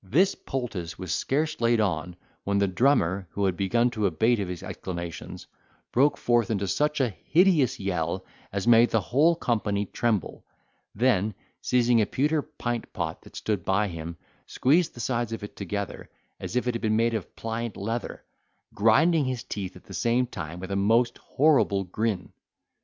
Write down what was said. This poultice was scarce laid on, when the drummer, who had begun to abate of his exclamations, broke forth into such a hideous yell as made the whole company tremble, then, seizing a pewter pint pot that stood by him, squeezed the sides of it together, as if it had been made of pliant leather, grinding his teeth at the same time with a most horrible grin.